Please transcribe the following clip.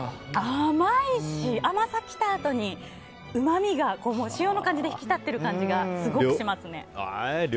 甘いし、甘さが来たあとにうまみが塩の感じで引き立ってる感じがすごくしますね。